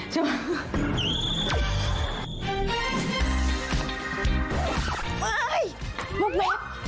ใช่ไหม